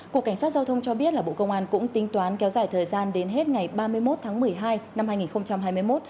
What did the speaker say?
cục cảnh sát giao thông cho biết là bộ công an cũng tính toán kéo dài thời gian đến hết ngày ba mươi một tháng một mươi hai năm hai nghìn hai mươi một